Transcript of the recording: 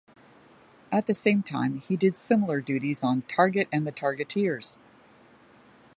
At the same time, he did similar duties on "Target and the Targeteers".